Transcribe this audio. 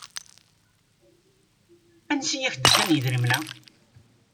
Ansi i ak-d-kkan yedrimen-a?